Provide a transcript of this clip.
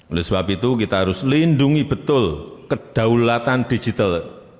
oleh sebab itu kita harus lindungi betul kedaulatan digital